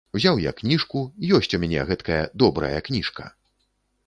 Узяў я кніжку, ёсць у мяне гэткая добрая кніжка!